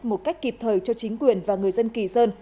một cách kịp thời cho chính quyền và người dân kỳ sơn